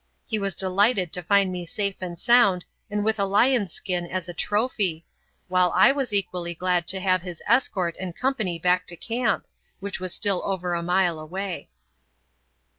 He was delighted to find me safe and sound and with a lion's skin as a trophy, while I was equally glad to have his escort and company back to camp, which was still over a mile away.